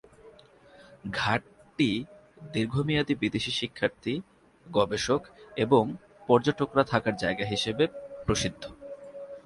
ঘাটটি দীর্ঘমেয়াদী বিদেশী শিক্ষার্থী, গবেষক এবং পর্যটকরা থাকার জায়গা হিসেবে প্রসিদ্ধ।